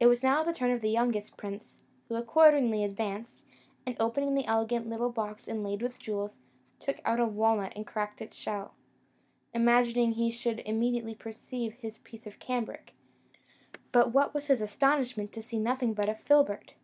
It was now the turn of the youngest prince, who accordingly advanced, and opening an elegant little box inlaid with jewels, took out a walnut and cracked the shell, imagining he should immediately perceive his piece of cambric; but what was his astonishment to see nothing but a filbert!